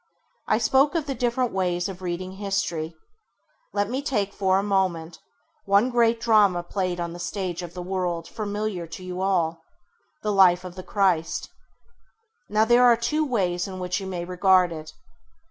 I spoke of the different ways of reading history. Let me take for a moment one great drama played on the stage of the world, familiar to you all — the life of the Christ. Now there are two ways in which you may regard it.